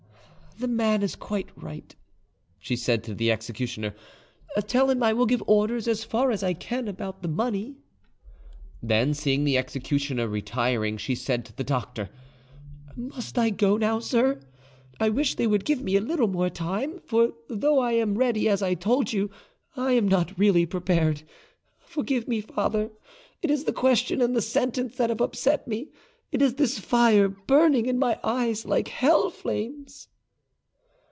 "The man is quite right," she said to the executioner; "tell him I will give orders as far as I can about the money." Then, seeing the executioner retiring, she said to the doctor, "Must I go now, sir? I wish they would give me a little more time; for though I am ready, as I told you, I am not really prepared. Forgive me, father; it is the question and the sentence that have upset me it is this fire burning in my eyes like hell flames.